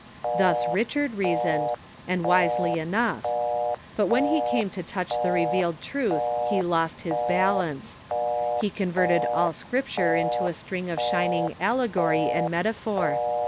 Thus Richard reasoned, and wisely enough ; but when he came to touch the revealed truth lie lost his balance. He converted all Scripture into a string of shining allegory and metaphor.